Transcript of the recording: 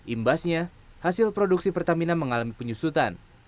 imbasnya hasil produksi pertamina mengalami penyusutan